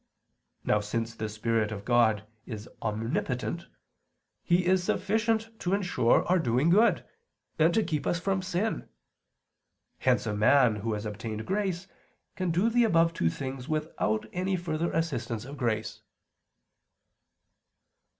Now since the Spirit of God is omnipotent, He is sufficient to ensure our doing good and to keep us from sin. Hence a man who has obtained grace can do the above two things without any further assistance of grace.